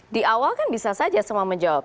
di awal kan bisa saja semua menjawab